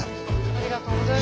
ありがとうございます。